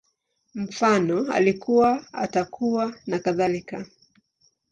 Mfano, Alikuwa, Atakuwa, nakadhalika